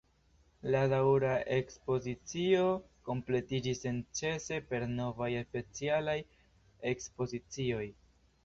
La daŭra ekspozicio kompletiĝis senĉese per novaj specialaj ekspozicioj.